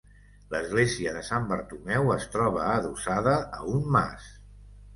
L'església de Sant Bartomeu es troba adossada a un mas.